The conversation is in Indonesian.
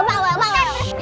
prinsipnya sudah nyetek